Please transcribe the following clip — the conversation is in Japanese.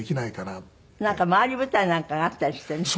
なんか回り舞台なんかがあったりしてね。